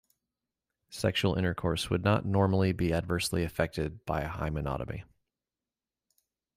Sexual intercourse would not normally be adversely affected by a hymenotomy.